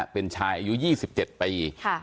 เป็นชายอายุยี่สิบเจ็ดปี